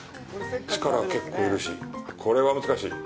力は結構要るし、これは難しい！